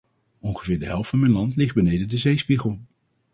Ongeveer de helft van mijn land ligt beneden de zeespiegel.